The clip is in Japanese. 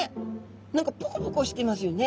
何かポコポコしていますよね。